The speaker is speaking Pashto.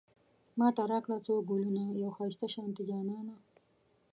ماته راکړه څو ګلونه، يو ښايسته شانتی جانان